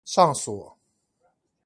上鎖